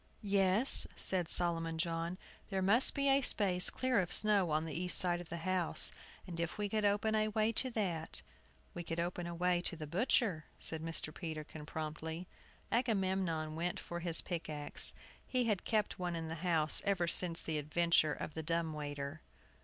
"Yes," said Solomon John, "there must be a space clear of snow on the east side of the house, and if we could open a way to that " "We could open a way to the butcher," said Mr. Peterkin, promptly. Agamemnon went for his pick axe. He had kept one in the house ever since the adventure of the dumb waiter.